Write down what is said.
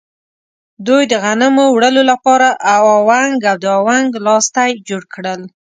دوی د غنمو وړلو لپاره اونګ او د اونګ لاستی جوړ کړل.